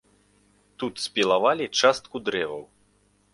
Тут спілавалі частку дрэваў.